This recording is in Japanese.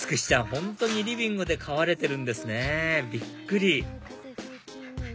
本当にリビングで飼われてるんですねびっくり！